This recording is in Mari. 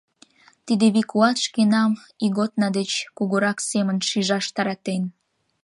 Тиде вий-куат шкенам ийготна деч кугурак семын шижаш таратен.